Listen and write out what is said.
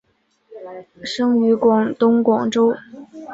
生于广东广州。